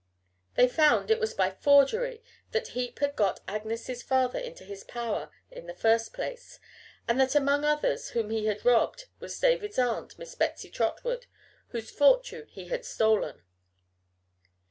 They found it was by forgery that Heep had got Agnes's father into his power in the first place, and that among others whom he had robbed was David's aunt, Miss Betsy Trotwood, whose fortune he had stolen.